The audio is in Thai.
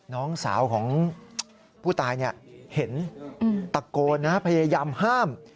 น้องสาวของผู้ตายเห็นตะโกนพยายามห้าม